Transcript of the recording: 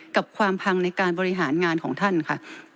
กับความพังในการบริหารงานของท่านค่ะ